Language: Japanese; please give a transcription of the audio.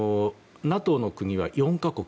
ＮＡＴＯの国は４か国